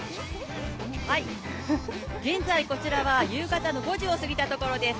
現在こちらは夕方の５時を過ぎたところです。